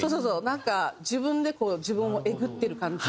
なんか自分でこう自分をえぐってる感じ。